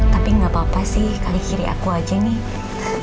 tapi gak apa apa sih kali kiri aku aja nih